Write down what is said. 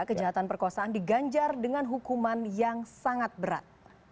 kejahatan perkosaan diganjar dengan hukuman yang sangat berat